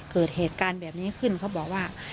เกิดเหตุการณ์แบบนี้ขึ้นเขาบอกว่า